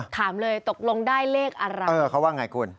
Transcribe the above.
ถามเลยตกลงได้เลขอะไรเออเขาว่าไงคุณ